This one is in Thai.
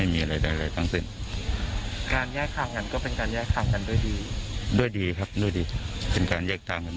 ไม่เคย